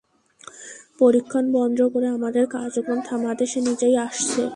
পরীক্ষণ বন্ধ করে, আমাদের কার্যক্রম থামাতে সে নিজেই আসছে।